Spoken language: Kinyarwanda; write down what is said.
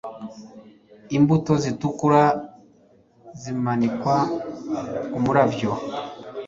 imbuto zitukura zimanikwa kumurabyo